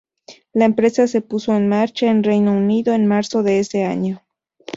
La empresa se puso en marcha en Reino Unido en marzo de ese año.